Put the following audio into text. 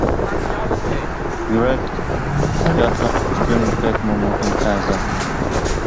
يۈرەك ھاياتلىق ئۈچۈن بەكمۇ مۇھىم ئەزا.